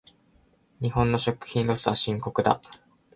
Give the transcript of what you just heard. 日本の食品ロスは深刻だ。